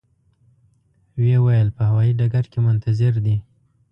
و یې ویل په هوایي ډګر کې منتظر دي.